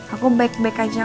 aku baik baik aja